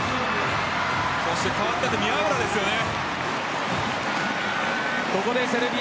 そして代わって入った宮浦ですよね。